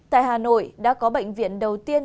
tại hà nội đã có bệnh viện đầu tiên